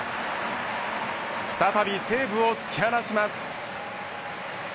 再び西武を突き放します。